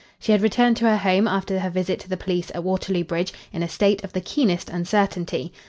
She had returned to her home after her visit to the police at Waterloo Bridge in a state of the keenest uncertainty.